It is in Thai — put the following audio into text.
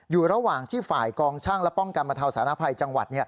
อยู่ระหว่างที่ฝ่ายกองช่างและป้องกันบรรเทาสารภัยจังหวัด